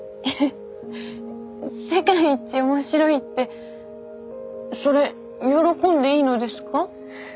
世界一面白いってそれ喜んでいいのですか？